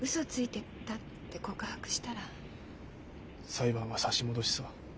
裁判は差し戻しさ。